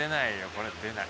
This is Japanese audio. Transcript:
これ出ない。